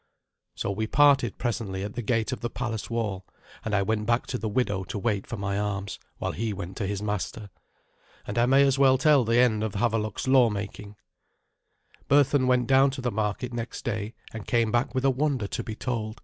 So we parted presently at the gate of the palace wall, and I went back to the widow to wait for my arms, while he went to his master. And I may as well tell the end of Havelok's lawmaking. Berthun went down to the market next day, and came back with a wonder to be told.